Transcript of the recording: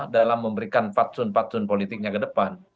dalam memberikan patsun patsun politiknya ke depan